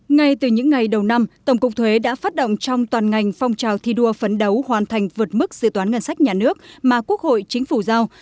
ngay từ những ngày đầu năm tổng cục thuế đã phát động trong toàn ngành phong trào thi đua phấn đấu hoàn thành vượt mức dự toán ngân sách nhà nước mà quốc hội chính phủ giao